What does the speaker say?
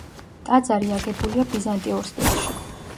ტაძარი აგებულია ბიზანტიურ სტილში.